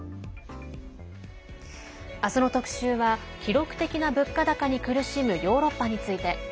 明日の特集は記録的な物価高に苦しむヨーロッパについて。